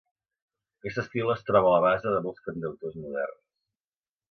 Aquest estil es troba a la base de molts cantautors moderns.